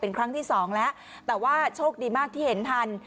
เป็นครั้งที่สองแล้วแต่ว่าโชคดีมากที่เห็นทัน